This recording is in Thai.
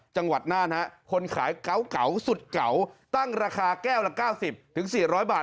จังหวัดน่านคนขายเก่าสุดเก่าตั้งราคาแก้วละ๙๐๔๐๐บาท